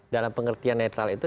dalam pengertian netral itu